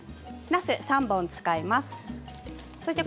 なすを３本使います。